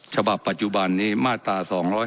ฉบับปัจจุบันนี้มาตรา๒๗